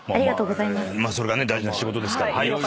まあそれが大事な仕事ですから。